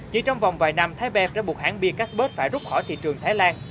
chỉ trong vòng vài năm thái bẹp đã buộc hãng bia casper phải rút khỏi thị trường thái lan